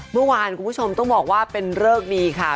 เมื่อวานคุณผู้ชมต้องบอกว่าเป็นเริกดีค่ะ